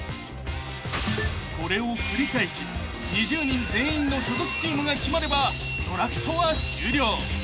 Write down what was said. ［これを繰り返し２０人全員の所属チームが決まればドラフトは終了］